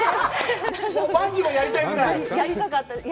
バンジーもやりたいぐらい？